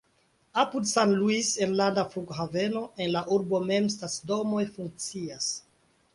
Apud San Luis enlanda flughaveno, en la urbo mem stacidomoj funkcias.